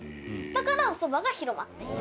だからおそばが広まっていった。